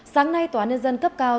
sáng nay tòa ninh dân cấp cao